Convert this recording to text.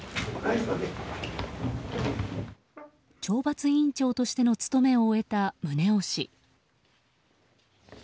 懲罰委員長としての務めを終えた宗男氏。